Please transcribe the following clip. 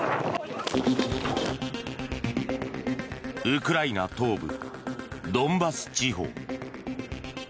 ウクライナ東部ドンバス地方。